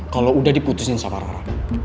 kalau udah diputusin sama rara